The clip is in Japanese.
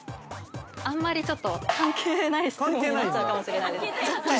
◆あんまり、ちょっと、関係ない質問かもしれないです。